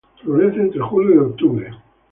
Florece entre julio y octubre.